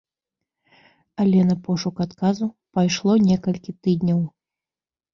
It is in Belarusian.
Але на пошук адказу пайшло некалькі тыдняў.